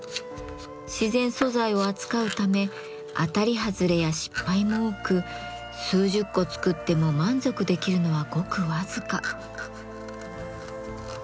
自然素材を扱うため当たり外れや失敗も多く数十個作っても満足できるのはごく僅か。